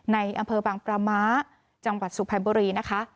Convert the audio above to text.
ในอำเภอบังประมะจังหวัดสุขภัณฑ์บุรีนะคะ